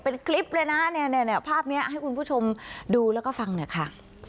เป็นคลิปเลยน่ะเนี้ยเนี้ยเนี้ยภาพเนี้ยให้คุณผู้ชมดูแล้วก็ฟังหน่อยค่ะ